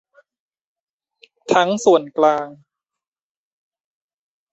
ทั้งส่วนกลาง